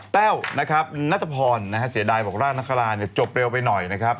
แต้วนะครับนัตรพรนะฮะเสียดายบอกราชนักฮาราชจบเร็วไปหน่อยนะครับ